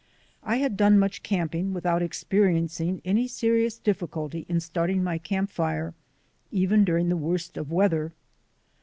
I had done much camping without experiencing any serious difficulty in starting my camp fire, even during the worst of weather.